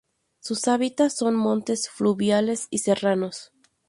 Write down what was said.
Su hábitat son montes fluviales y serranos.